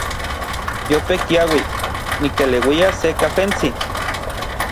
Yope kiaui, nikeleuia se kafentsi.